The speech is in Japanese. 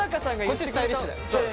こっちスタイリッシュ。